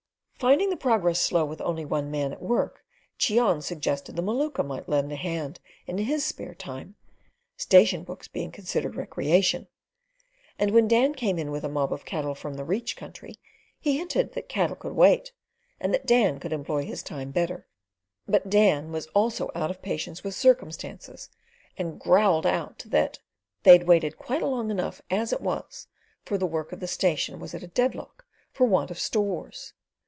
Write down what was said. Finding the progress slow with only one man at work, Cheon suggested the Maluka might lend a hand in his spare time (station books being considered recreation); and when Dan came in with a mob of cattle from the Reach country, he hinted that cattle could wait, and that Dan could employ his time better. But Dan also was out of patience with circumstances, and growled out that "they'd waited quite long enough as it was," for the work of the station was at a deadlock for want of stores.